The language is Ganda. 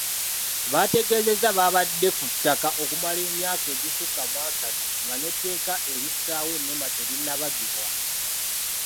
Baategeezezza babadde ku ttaka okumala emyaka egisukka mwa asatu nga n'etteeka erissaawo Nema terinnabaggibwa.